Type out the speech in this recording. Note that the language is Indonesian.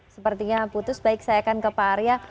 sepertinya putus baik saya akan ke pak arya